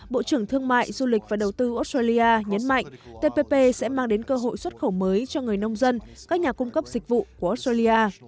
bộ trưởng thương mại du lịch và đầu tư australia nhấn mạnh tppp sẽ mang đến cơ hội xuất khẩu mới cho người nông dân các nhà cung cấp dịch vụ của australia